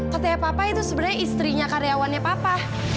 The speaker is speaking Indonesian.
katanya papa itu sebenarnya istrinya karyawannya papa